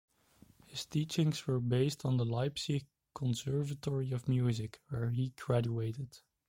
His teachings were based on the Leipzig Conservatory of Music, where he graduated.